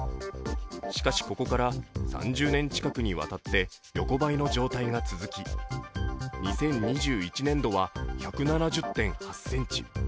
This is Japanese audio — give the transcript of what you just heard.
しかしここから３０年近くにわたって横ばいの状態が続き、２０２１年度は１７０．８ｃｍ。